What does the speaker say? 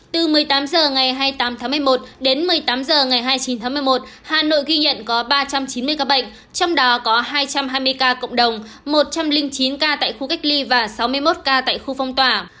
từ một mươi tám h ngày hai mươi tám tháng một mươi một đến một mươi tám h ngày hai mươi chín tháng một mươi một hà nội ghi nhận có ba trăm chín mươi ca bệnh trong đó có hai trăm hai mươi ca cộng đồng một trăm linh chín ca tại khu cách ly và sáu mươi một ca tại khu phong tỏa